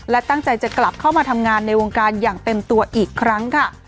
และตั้งใจจะกลับเข้ามาทำงานในวงการอย่างเต็มตัวอีกครั้งค่ะ